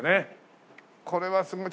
これはすごい。